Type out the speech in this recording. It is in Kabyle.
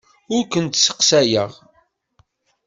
Ur kent-sseqsayeɣ.